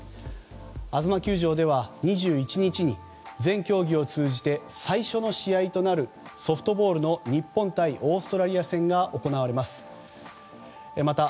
あづま球場では２１日に全競技を通じて最初の試合となるソフトボールの日本対オーストラリア戦が行われます。